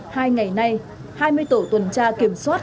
hai ngày nay hai mươi tổ tuần tra kiểm soát